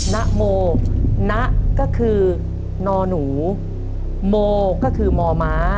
นะโมนะก็คือนอหนูโมก็คือมม